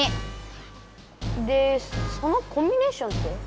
でそのコンビネーションって？